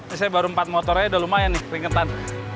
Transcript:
ini saya baru empat motor aja udah lumayan nih ringetan